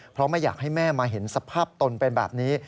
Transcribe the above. เพราะไม่อยากให้แม่มาเห็นสภาพตนเป็นแบบนี้